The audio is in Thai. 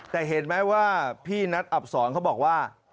แต่เห็นไหมว่าพี่นัทอับสอนเขาบอกว่า